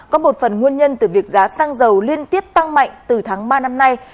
có một phần nguyên nhân từ việc giá xăng dầu liên tiếp tăng mạnh từ tháng ba năm nay